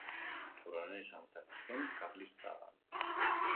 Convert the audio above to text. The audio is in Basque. Koronel izan zen azken Karlistadan.